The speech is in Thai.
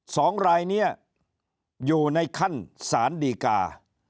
สองรายนี้อยู่ในขั้นสารดีกา